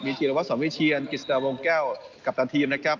มีเกียรติวัตรส่วนวิเชียร์กิสเตอร์วงแก้วกัปตันทีมนะครับ